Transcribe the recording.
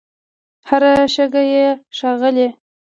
هر شګه یې ښاغلې